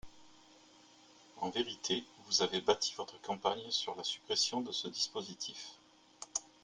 En vérité, vous avez bâti votre campagne sur la suppression de ce dispositif.